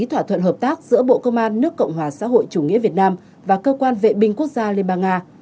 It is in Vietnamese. thỏa thuận hợp tác giữa bộ công an nước cộng hòa xã hội chủ nghĩa việt nam và cơ quan vệ binh quốc gia liên bang nga